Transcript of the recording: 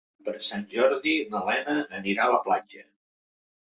Per Sant Jordi na Lena anirà a la platja.